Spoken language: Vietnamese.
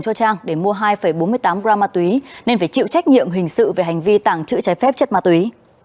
trang đã mua hai bốn mươi tám gram ma túy nên phải chịu trách nhiệm hình sự về hành vi tảng trự trái phép chất ma túy